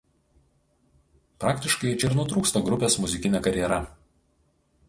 Praktiškai čia ir nutrūksta grupės muzikinė karjera.